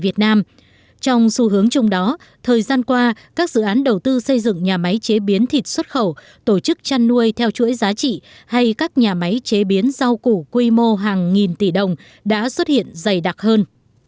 trong xu hướng chung đó thời gian qua các dự án đầu tư xây dựng nhà máy chế biến thịt xuất khẩu tổ chức chăn nuôi theo chuỗi giá trị hay các nhà máy chế biến rau củ quy mô hàng nghìn tỷ đồng đã xuất hiện dày đặc hơn